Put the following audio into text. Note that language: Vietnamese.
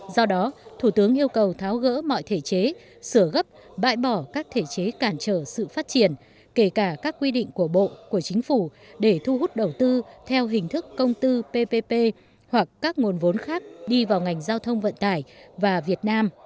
do đó thủ tướng yêu cầu tháo gỡ mọi thể chế sửa gấp bãi bỏ các thể chế cản trở sự phát triển kể cả các quy định của bộ của chính phủ để thu hút đầu tư theo hình thức công tư ppp hoặc các nguồn vốn khác đi vào ngành giao thông vận tải và việt nam